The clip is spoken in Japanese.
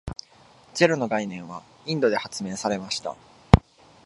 ゼロの概念はインドで発明されました。